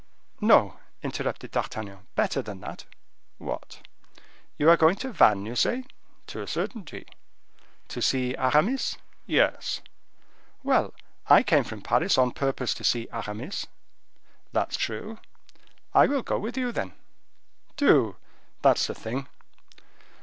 "No," interrupted D'Artagnan, "better than that." "What?" "You are going to Vannes, you say?" "To a certainty." "To see Aramis?" "Yes." "Well! I came from Paris on purpose to see Aramis." "That's true." "I will go with you then." "Do; that's the thing."